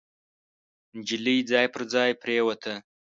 نجلۍ ځای پر ځای پريوته.